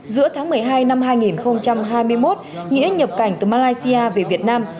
giữa tháng một mươi hai năm hai nghìn hai mươi một nghĩa nhập cảnh từ malaysia về việt nam